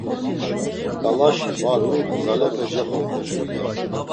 Ǩalaşi baru, gzalepe cexombu.